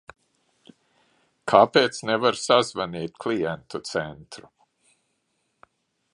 Kāpēc nevar sazvanīt klientu centru?